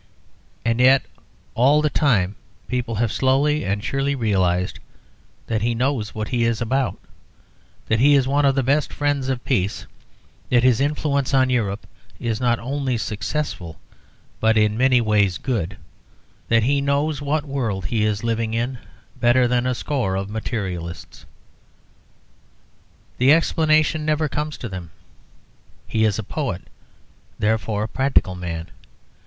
And yet all the time people have slowly and surely realised that he knows what he is about, that he is one of the best friends of peace, that his influence on Europe is not only successful, but in many ways good, that he knows what world he is living in better than a score of materialists. The explanation never comes to them he is a poet; therefore, a practical man.